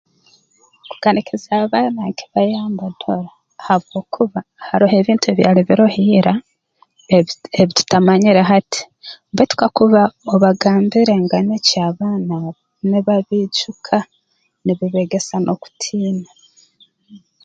Kuganikiza abaana nkibayamba dora habwokuba haroho ebintu ebyali biroho ira ebi tuta ebi tutamanyire hati baitu kakuba obagambira enganikyo abaana abo nibabiijuka nibibeegesa n'okutiina